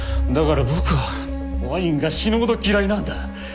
だから僕はワインが死ぬほど嫌いなんだ。